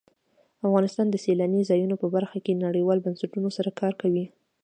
افغانستان د سیلانی ځایونه په برخه کې نړیوالو بنسټونو سره کار کوي.